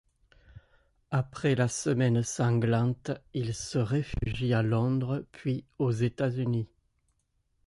Après la Semaine sanglante, il se réfugie à Londres puis aux États-Unis.